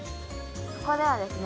ここではですね